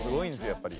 やっぱり。